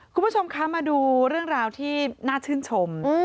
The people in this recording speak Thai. คุณผู้ชมคะมาดูเรื่องราวที่น่าชื่นชม